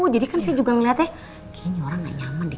jadi kan saya juga ngeliatnya kayaknya orang gak nyaman deh